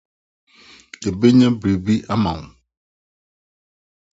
Yebenya biribi ama wo.